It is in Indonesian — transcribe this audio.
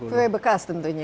vw bekas tentunya